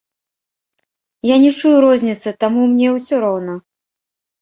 Я не чую розніцы, таму мне ўсё роўна.